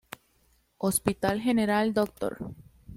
Hospital General Dr.